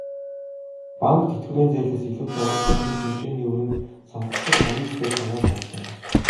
Банк, тэтгэврийн зээлээс илүүтэй улс орны хэмжээний өрөнд сонгогчид хамгийн ихээр санаа зовж байна.